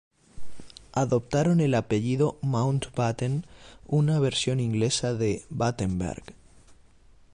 Adoptaron el apellido Mountbatten, una versión inglesa de Battenberg.